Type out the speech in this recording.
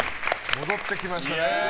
戻ってきましたね。